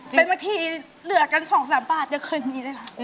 เป็นเมื่อกี้เหลือกัน๒๓บาทยังเคยมีได้ละ